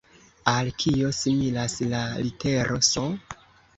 Al kio similas la litero S?